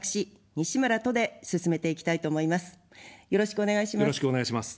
よろしくお願いします。